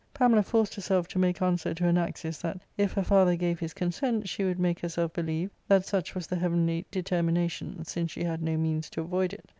Pamela forced herself to make answer to Anaxius that, if her father gave his consent, she would make herself believe that such was the heavenly determination, since she had no means to avoid it.